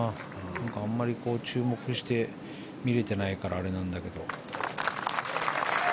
あんまり注目して見れてないからあれなんだけど。